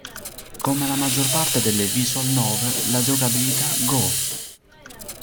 Come la maggior parte delle visual novel, la giocabilità "Go!